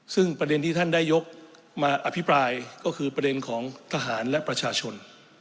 ซึ่งประเด็นที่ท่านได้ยกมาอภิปรายก็คือประเด็นของทหารและประชาชน